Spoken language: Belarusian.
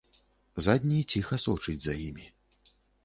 Задні ціха сочыць за імі.